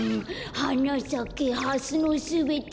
「はなさけハスのすべて」